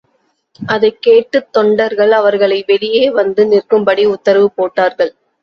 அதைக்கேட்டுத் தொண்டர்கள் அவர்களை வெளியே வந்து நிற்கும்படி உத்தரவு போட்டார்கள்.